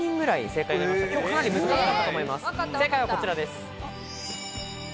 正解はこちらです。